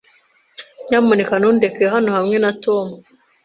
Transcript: Nyamuneka ntundeke hano hamwe na Tom.